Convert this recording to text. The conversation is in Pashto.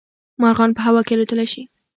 مارغان په هوا کې الوتلی شي